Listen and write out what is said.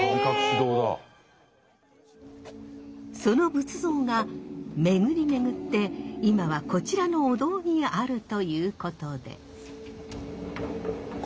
その仏像が巡り巡って今はこちらのお堂にあるということで。